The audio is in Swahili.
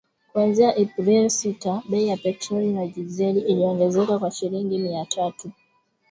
kuanzia Aprili sita bei ya petroli na dizeli iliongezeka kwa shilingi mia tatu thelathini na mbili za Tanzania